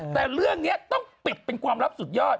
แต่เรื่องนี้ต้องปิดเป็นความลับสุดยอด